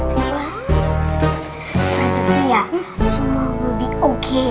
nanti sofia semua will be okay